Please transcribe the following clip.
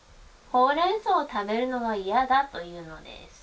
ほうれんそうを食べるのが嫌だというのです。